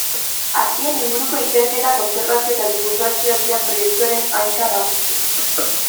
Hazien inguruko ikerketa, kontserbazioa eta dibulgazioa dira proiektuaren hanka nagusiak.